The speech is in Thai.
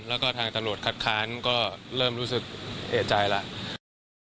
แล้วก็ทางตำรวจคัดค้านก็เริ่มรู้สึกเอกใจแล้ว